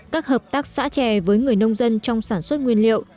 các hợp tác xã chè với người nông dân trong sản xuất nguyên liệu